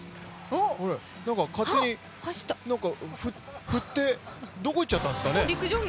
なんか勝手に振ってどこ行っちゃったんですかね？